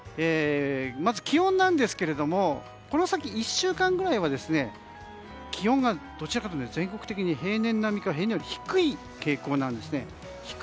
まず気温なんですけれどもこの先１週間ぐらいは気温がどちらかというと全国的に平年並みか平年より低い傾向なんですね。